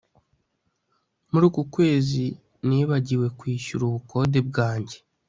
Muri uku kwezi nibagiwe kwishyura ubukode bwanjye